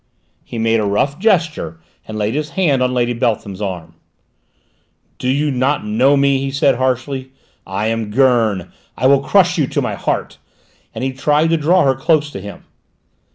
He made a rough gesture and laid his hand on Lady Beltham's arm. "Do you not know me?" he said harshly. "I am Gurn! I will crush you to my heart!" and he tried to draw her close to him.